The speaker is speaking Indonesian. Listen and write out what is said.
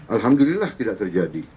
alhamdulillah tidak terjadi